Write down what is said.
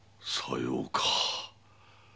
さようか。